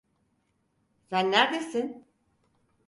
Sen nerdesin?